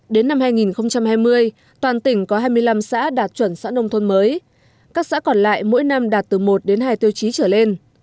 đến năm hai nghìn hai mươi toàn tỉnh có hai mươi năm xã đạt chuẩn xã nông thôn mới các xã còn lại mỗi năm đạt từ một đến hai tiêu chí trở lên